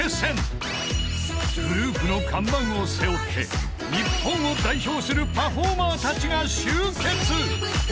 ［グループの看板を背負って日本を代表するパフォーマーたちが集結］